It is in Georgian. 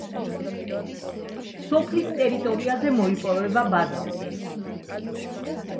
სოფლის ტერიტორიაზე მოიპოვება ბაზალტი.